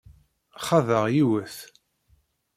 Xaḍeɣ yiwet.